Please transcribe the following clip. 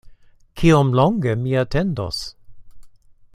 Kiom longe mi atendos?